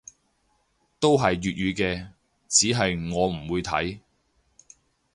都係粵語嘅，只係我唔會睇